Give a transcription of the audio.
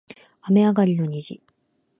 雨上がりの虹